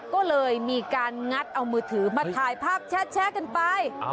ก็เลยมีการงัดเอามือถือมาถ่ายภาพแชะกันไป